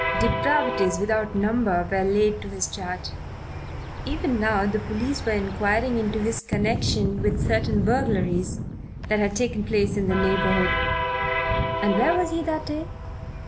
Depravities without number were laid to his charge. Even now the police were inquiring into his connection with certain burglaries that had taken place in the neighbourhood. And where was he that day?